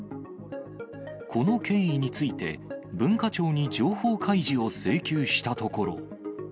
この経緯について、文化庁に情報開示を請求したところ。